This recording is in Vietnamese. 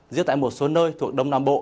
riêng tại một số nơi thuộc đông nam bộ